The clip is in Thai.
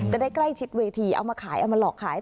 จะได้ใกล้ชิดเวทีเอามาขายเอามาหลอกขาย